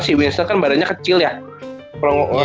si winston kan badannya kecil ya